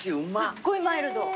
すっごいマイルド。